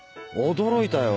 驚いたよ。